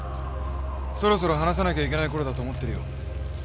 そろそろ話さなきゃいけないころだと思ってるよ。